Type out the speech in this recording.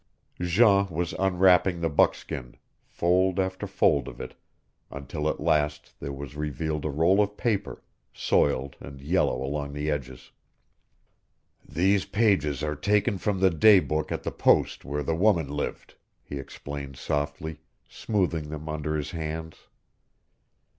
Jean was unwrapping the buckskin, fold after fold of it, until at last there was revealed a roll of paper, soiled and yellow along the edges. "These pages are taken from the day book at the post where the woman lived," he explained softly, smoothing them under his hands.